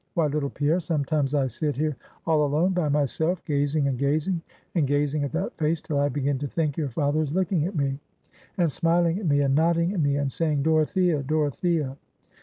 Why, little Pierre, sometimes I sit here all alone by myself, gazing, and gazing, and gazing at that face, till I begin to think your father is looking at me, and smiling at me, and nodding at me, and saying Dorothea! Dorothea!"